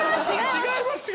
違います